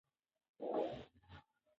د خوړو پاتې شوني په وخت لرې کړئ.